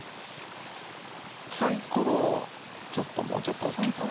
サイコロをちょっともうちょっと大きいかな？